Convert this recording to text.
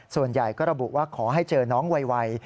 ส่วนใหญ่ก็ระบุว่าขอให้เจอน้องไว